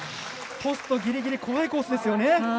ポストぎりぎり怖いコースですよね。